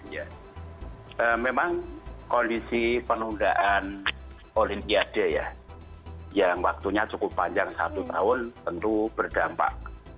ya memang kondisi penundaan olimpiade ya yang waktunya cukup panjang satu tahun tentu berdampak